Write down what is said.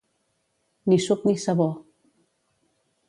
Ni suc ni sabó.